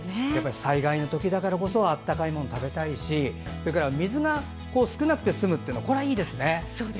災害の時だからこそ温かいものを食べたいし水が少なくて済むのがいいですね。